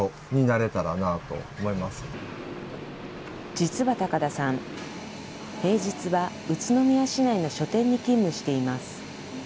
実は高田さん、平日は宇都宮市内の書店に勤務しています。